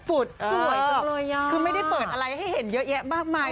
สวยจังเลยคือไม่ได้เปิดอะไรให้เห็นเยอะแยะมากมาย